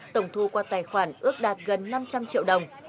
tổng thu qua tài khoản ước đạt gần năm trăm linh triệu đồng